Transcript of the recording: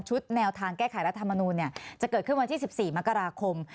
แนวทางแก้ไขรัฐมนูลจะเกิดขึ้นวันที่๑๔มกราคม